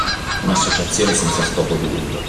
Un'associazione senza scopo di lucro.